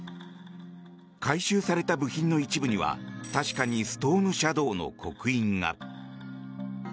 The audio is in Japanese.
回収された部品の一部には確かにストームシャドーの刻印が。